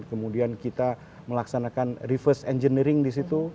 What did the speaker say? kemudian kita melaksanakan reverse engineering disitu